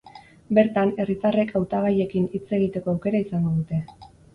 Bertan, herritarrek hautagaiekin hitz egiteko aukera izango dute.